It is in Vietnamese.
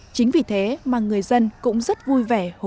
chính vì thế mà người dân cũng rất vui vẻ